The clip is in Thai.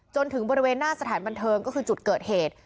จนถึงบริเวณหน้าสถานบันเทิงก็คือจุดเกิดเหตุ